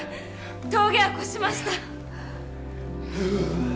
峠は越しました